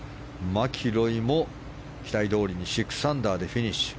マキロイも期待どおりに６アンダーでフィニッシュ。